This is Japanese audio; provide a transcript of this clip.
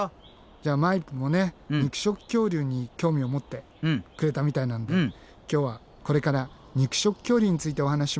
じゃあマイプもね肉食恐竜に興味を持ってくれたみたいなんで今日はこれから肉食恐竜についてお話ししましょう。